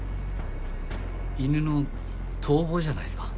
犬の遠吠えじゃないっすか？